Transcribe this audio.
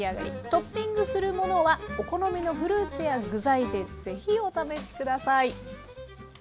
トッピングするものはお好みのフルーツや具材でぜひお試しください。